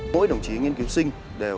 mỗi đồng chí nghiên cứu sinh